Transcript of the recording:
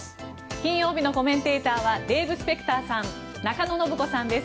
金曜日のコメンテーターはデーブ・スペクターさん中野信子さんです。